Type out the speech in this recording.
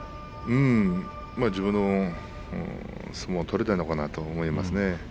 自分の相撲が取れてるのかなと思いますね。